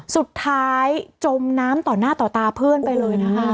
จมน้ำต่อหน้าต่อตาเพื่อนไปเลยนะคะ